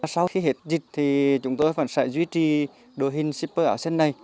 sau khi hết dịch thì chúng tôi vẫn sẽ duy trì đồ hình shipper áo xanh này